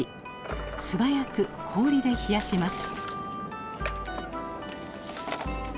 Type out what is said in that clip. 素早く氷で冷やします。